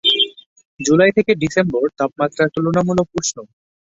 জুলাই থেকে ডিসেম্বর তাপমাত্রা তুলনামূলক উষ্ণ।